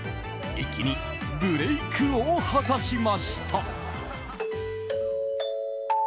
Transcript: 一気にブレークを果たしました。